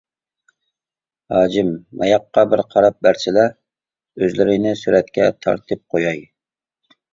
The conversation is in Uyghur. ھاجىم ماياققا بىر قاراپ بەرسىلە، ئۆزلىرىنى سۈرەتكە تارتىپ قوياي.